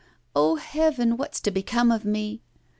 Oh, heaven! what's to become of me?